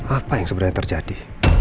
apa yang sebenarnya terjadi